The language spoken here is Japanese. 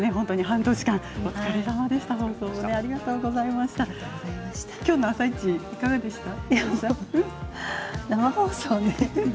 半年間お疲れさまでした。